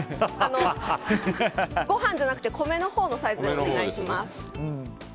ご飯じゃなくて、米のほうのサイズでお願いします。